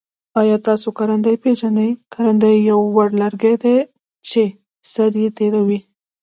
آیا تاسو کرندی پیژنی؟ کرندی یو وړ لرګی دی چه سر یي تیره وي.